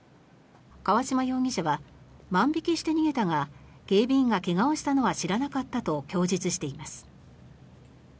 川嶋容疑者は万引きして逃げたが警備員が怪我をしたのは知らなかったと供述しています。